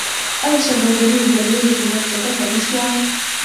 آیا سوداګري د ریل په مټ چټکه نشوه؟